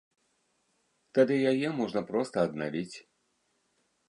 Тады яе можна проста аднавіць.